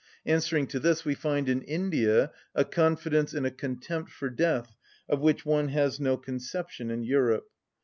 Answering to this we find in India a confidence and a contempt for death of which one has no conception in Europe.